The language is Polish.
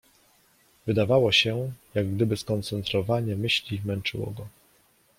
Wydawało się, jak gdyby skoncentrowanie myśli męczyło go.